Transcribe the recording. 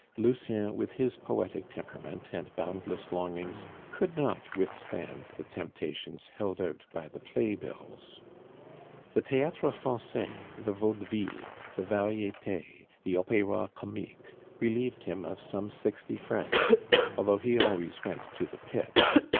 Lucien, with his poetic temperament and boundless longings, could not withstand the temptations held out by the play bills. The Theatre Francais, the Vaudeville, the Varietes, the Opera Comique relieved him of some sixty francs, although he always went to the pit.